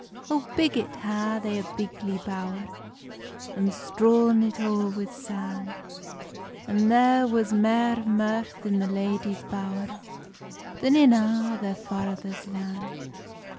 O, biggit ha they a bigly bowr, And strawn it oer wi san, And there was mair mirth i the ladies' bowr Than in a' their father's lan.